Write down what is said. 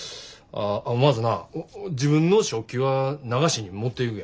まずな自分の食器は流しに持っていくやろ。